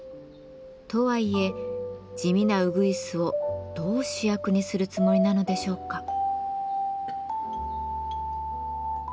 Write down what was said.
とはいえ地味なうぐいすをどう主役にするつもりなのでしょうか？